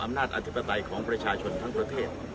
อำนาจอธิปไตยของประชาชนทั้งประเทศ